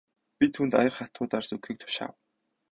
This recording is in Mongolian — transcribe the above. Би түүнд аяга хатуу дарс өгөхийг тушаав.